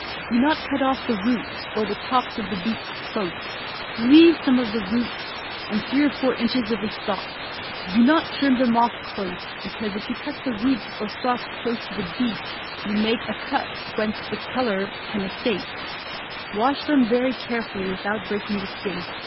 Do not cut off the roots or the tops of the beets close; leave some of the roots and three or four inches of the stalk. Do not trim them off close, because if you cut the roots or stalks close to the beet you make a cut whence the color can escape; wash them very carefully without breaking the skin.